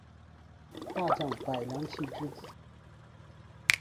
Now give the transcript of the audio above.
大将柏良器之子。